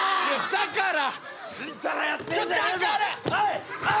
だから！